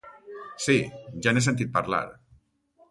Sí, ja n'he sentit parlar.